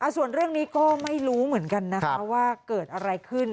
ส่วนเรื่องนี้ก็ไม่รู้เหมือนกันนะคะว่าเกิดอะไรขึ้น